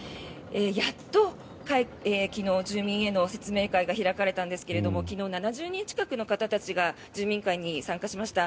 やっと昨日、住民への説明会が開かれたんですが昨日、７０人近くの方が説明会に参加しました。